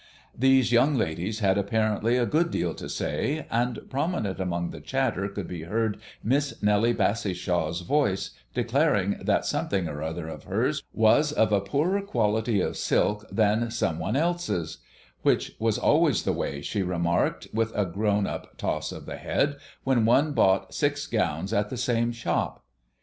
These young ladies had apparently a good deal to say; and prominent among the chatter could be heard Miss Nellie Bassishaw's voice declaring that something or other of hers was of a poorer quality of silk than some one else's; which was always the way, she remarked, with a grown up toss of the head, when one bought six gowns at the same shop.